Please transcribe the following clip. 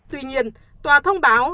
tuy nhiên tòa thông báo